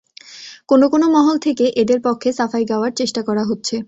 কোনো কোনো মহল থেকে এদের পক্ষে সাফাই গাওয়ার চেষ্টা করা হচ্ছে।